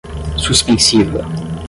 suspensiva